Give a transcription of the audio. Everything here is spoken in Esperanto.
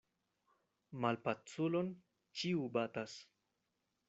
Malpaculon ĉiu batas.